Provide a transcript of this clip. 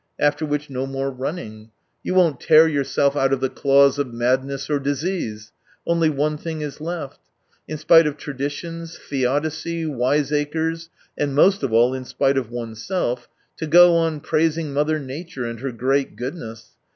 After which no more running. You won't tear yourself out of the claws of madness or disease. Only one thing is left : in spite of traditions, theodicy, wiseacres, and most of all in spite of oneself, to go on praising mother nature and her great goodness.